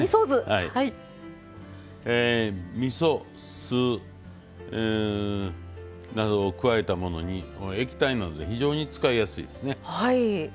みそ、酢などを加えたもので液体なので非常に使いやすいですね。